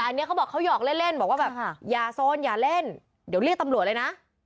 อันนี้เขาบอกเขาหยอกเล่นบอกว่าแบบอย่าโซนอย่าเล่นเดี๋ยวเรียกตำรวจเลยนะ